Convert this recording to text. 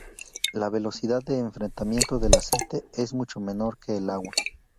La velocidad de enfriamiento del aceite es mucho menor que el agua.